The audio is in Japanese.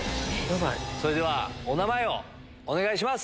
それではお名前をお願いします。